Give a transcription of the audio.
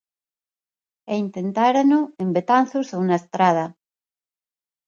E intentárano en Betanzos ou na Estrada.